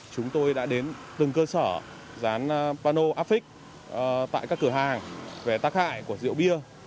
chúng tôi đã đến từng cơ sở dán pano áp vích tại các cửa hàng về tác hại của rượu bia